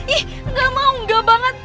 ih gak mau enggak banget